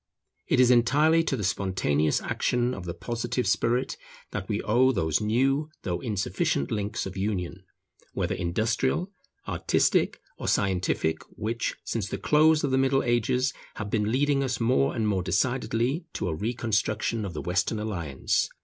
It is entirely to the spontaneous action of the Positive spirit that we owe those new though insufficient links of union, whether industrial, artistic, or scientific, which, since the close of the Middle Ages, have been leading us more and more decidedly to a reconstruction of the Western alliance.